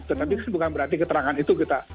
tetapi bukan berarti keterangan itu kita